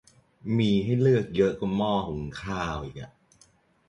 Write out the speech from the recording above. มีให้เลือกเยอะกว่าหม้อหุงข้าวอีกอะ